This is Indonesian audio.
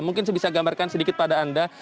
mungkin saya bisa gambarkan sedikit pada anda